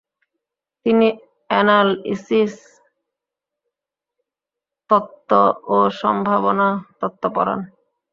তিনি এনালইসিস তত্ত্ব ও সম্ভবনা তত্ত্ব পড়ান।